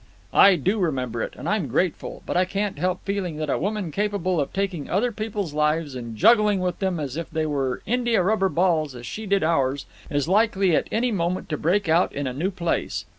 "I do remember it. And I'm grateful. But I can't help feeling that a woman capable of taking other people's lives and juggling with them as if they were india rubber balls as she did with ours, is likely at any moment to break out in a new place.